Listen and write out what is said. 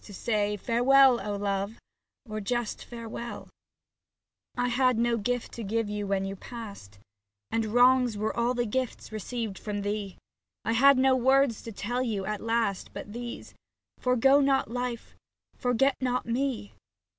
To say " Farewell, O Love !" or just " Farewell "! I had no gift to give you when you passed, 68 SAPPHO TO PHAON And wrongs were all the gifts received from thee, I had no words to tell you at the last But these :" Forgo not life, forget not me."